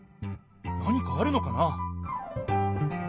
何かあるのかな？